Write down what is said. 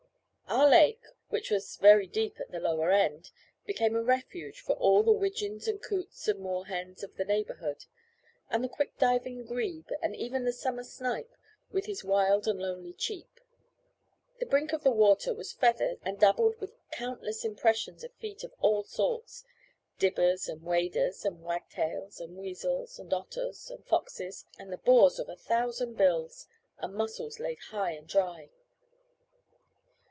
Our lake, which was very deep at the lower end, became a refuge for all the widgeons and coots and moorhens of the neighbourhood, and the quick diving grebe, and even the summer snipe, with his wild and lonely "cheep." The brink of the water was feathered, and dabbled with countless impressions of feet of all sorts dibbers, and waders, and wagtails, and weasels, and otters, and foxes, and the bores of a thousand bills, and muscles laid high and dry.